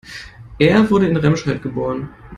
Er wurde in Remscheid geboren